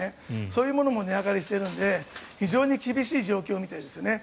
そういうものも値上がりしているので非常に厳しい状況みたいですね。